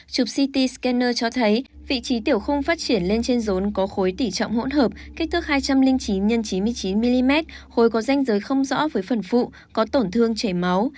chụp ct scanner cho thấy vị trí tiểu không phát triển lên trên rốn có khối tỷ trọng hỗn hợp kích thước hai trăm linh chín x chín mươi chín mm khối có danh giới không rõ với phần phụ có tổn thương chảy máu